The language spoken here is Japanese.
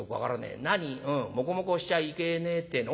もこもこをしちゃいけねえってえの？